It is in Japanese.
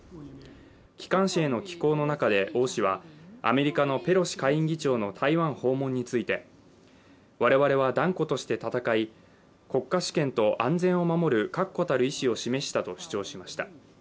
機関誌への寄稿の中で王氏は、アメリカのペロシ下院議長の台湾訪問について、我々は断固として戦い国家主権と安全を守る確固たる意志を示したと主張しました。